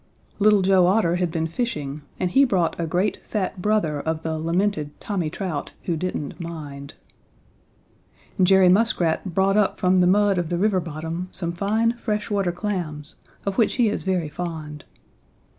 Little Joe Otter had been fishing and he brought a great fat brother of the lamented Tommy Trout, who didn't mind. Jerry Muskrat brought up from the mud of the river bottom some fine fresh water clams, of which he is very fond.